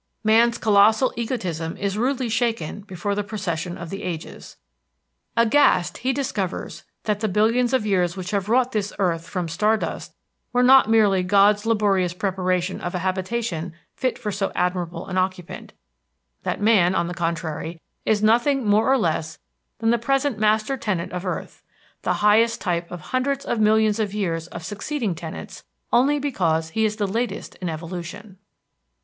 Man's colossal egotism is rudely shaken before the Procession of the Ages. Aghast, he discovers that the billions of years which have wrought this earth from star dust were not merely God's laborious preparation of a habitation fit for so admirable an occupant; that man, on the contrary, is nothing more or less than the present master tenant of earth, the highest type of hundreds of millions of years of succeeding tenants only because he is the latest in evolution.